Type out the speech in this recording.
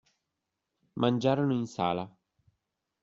Mangiarono in sala